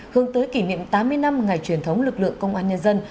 hướng tới kỷ niệm tám mươi năm ngày truyền thống lực lượng công an nhân dân